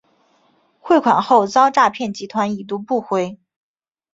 汇款后遭诈骗集团已读不回